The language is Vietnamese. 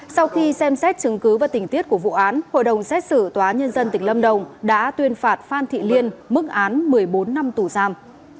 sau khi xem xét chứng cứ và tình tiết của vụ án hội đồng xét xử tòa nhân dân tỉnh lâm đồng đã tuyên phạt phan thị liên mức án một mươi bốn năm tù giam